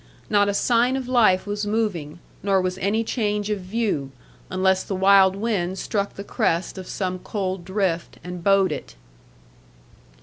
Not a sign of life was moving, nor was any change of view; unless the wild wind struck the crest of some cold drift, and bowed it.